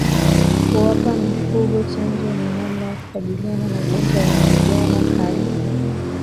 Kuwapa mifugo chanjo ni namna ya kukabiliana na ugonjwa wa ndigana kali